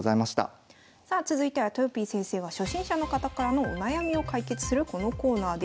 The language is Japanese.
さあ続いてはとよぴー先生が初心者の方からのお悩みを解決するこのコーナーです。